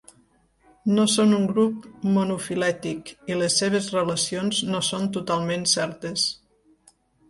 No són un grup monofilètic i les seves relacions no són totalment certes.